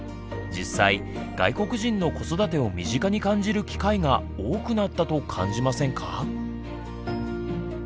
実際外国人の子育てを身近に感じる機会が多くなったと感じませんか？